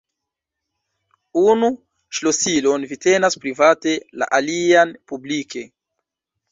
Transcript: Unu ŝlosilon vi tenas private, la alian publike.